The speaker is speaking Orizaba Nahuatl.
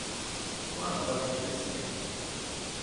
Juan kuaxipestik.